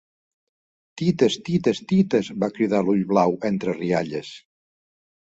Tites, tites, tites —va cridar l'ullblau, entre rialles.